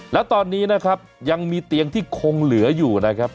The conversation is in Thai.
แล้วตอนนี้นะครับยังมีเตียงที่คงเหลืออยู่นะครับ